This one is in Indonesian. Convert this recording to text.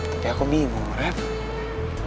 tapi aku bingung